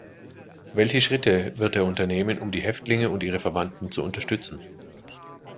Welche Schritte wird er unternehmen, um die Häftlinge und ihre Verwandten zu unterstützen?